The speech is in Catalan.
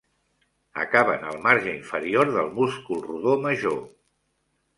Acaben al marge inferior del múscul rodó major.